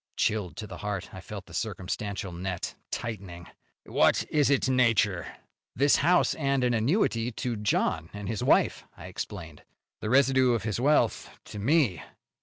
Chilled to the heart, I felt the circumstantial net tightening. "What is its nature?" "This house and an annuity to John and his wife," I explained. "The residue of his wealth to me."